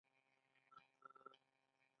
کاناډا په ارکټیک کې ګټې لري.